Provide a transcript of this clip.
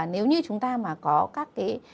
nếu như chúng ta mà có các cái